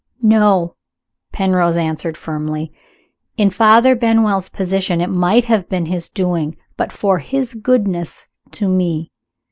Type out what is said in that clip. "No!" Penrose answered firmly. "In Father Benwell's position it might have been his doing, but for his goodness to me.